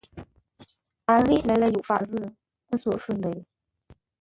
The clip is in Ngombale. A ghíʼ lə̌r lə̂ yʉʼ faʼ zʉ́, ə́ sóghʼ se ndə̂ ye.